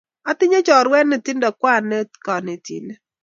Atindai chorwet ne tindo kwan ne netitndet.